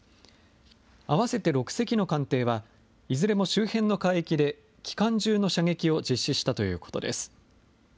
合わせて６隻の艦艇は、いずれも周辺の海域で機関銃の射撃を実施したということです。